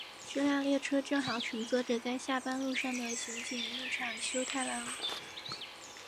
那辆列车正好乘坐着在下班路上的刑警木场修太郎。